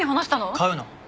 買うの？